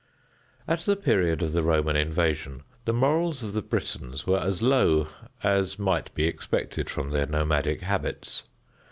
At the period of the Roman invasion, the morals of the Britons were as low as might be expected from their nomadic habits.